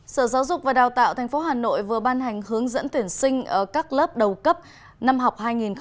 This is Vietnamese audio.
sở giáo dục và đào tạo tp hà nội vừa ban hành hướng dẫn tuyển sinh ở các lớp đầu cấp năm học hai nghìn hai mươi hai nghìn hai mươi một